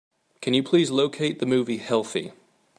Can you please locate the movie, Healthy?